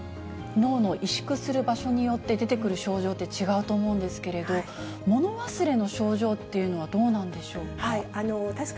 脳の萎縮する場所によって、出てくる症状って違うと思うんですけれど、物忘れの症状っていうのはどうなんでしょうか。